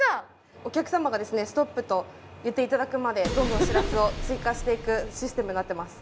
お客様がストップと言っていただくまでどんどんシラスを追加して行くシステムになってます。